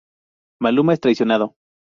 Maluma es traicionado.